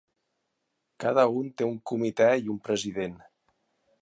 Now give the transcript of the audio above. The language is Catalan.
Cada un té un comitè i un president.